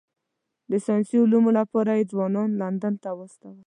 د ساینسي علومو لپاره یې ځوانان لندن ته واستول.